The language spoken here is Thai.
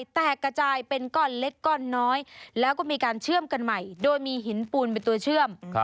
แตกกระจายเป็นก้อนเล็กก้อนน้อยแล้วก็มีการเชื่อมกันใหม่โดยมีหินปูนเป็นตัวเชื่อม